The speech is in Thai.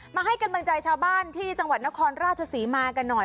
มาให้กำลังใจชาวบ้านที่จังหวัดนครราชศรีมากันหน่อย